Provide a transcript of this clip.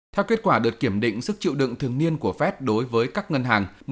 theo kết quả được kiểm định sức chịu đựng thường niên của fed đối với các ngân hàng